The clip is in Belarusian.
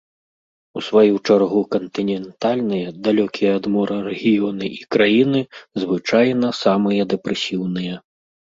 У сваю чаргу кантынентальныя, далёкія ад мора рэгіёны і краіны звычайна самыя дэпрэсіўныя.